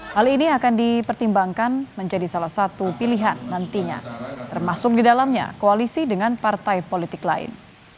hal ini akan dipertimbangkan menjadi salah satu pilihan nantinya termasuk di dalamnya koalisi dengan partai politik lain